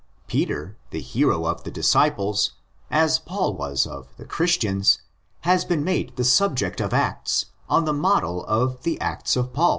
Peter, the hero of the '' disciples " as Paul was of the '"'Christians,'' has been made the sub ject of Acts on the model of the Acts of Paw.